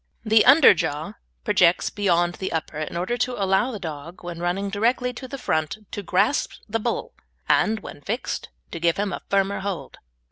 The underjaw projects beyond the upper in order to allow the dog, when running directly to the front, to grasp the bull, and, when fixed, to give him a firmer hold.